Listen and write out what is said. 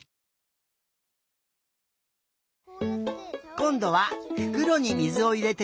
こんどはふくろにみずをいれてみたよ。